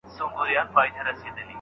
د شیخ مُلا تور زندانونه ماتوم درسره